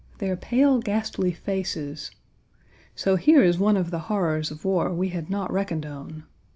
Their pale, ghastly faces! So here is one of the horrors of war we had not reckoned on.